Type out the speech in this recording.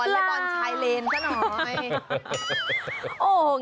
วอลเล็ตบอลชายเลนซ์ก็หน่อย